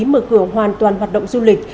mở cửa hoàn toàn hoạt động du lịch